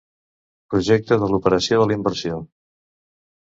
Projecte de l'operació de la inversió.